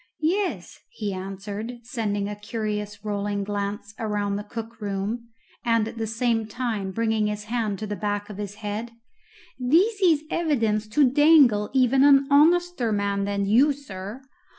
"Yes," he answered, sending a curious rolling glance around the cook room and at the same time bringing his hand to the back of his head, "this is evidence to dangle even an honester man than you, sir.